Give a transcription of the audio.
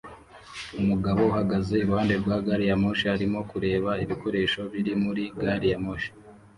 Umugabo uhagaze iruhande rwa gari ya moshi arimo kureba ibikoresho biri muri gari ya moshi